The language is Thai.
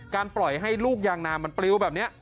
การปล่อยให้รูขยางนามมันปริ๊วแบบเนี้ย